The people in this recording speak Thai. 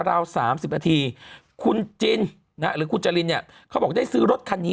ราว๓๐นาทีคุณจินหรือคุณจรินเนี่ยเขาบอกได้ซื้อรถคันนี้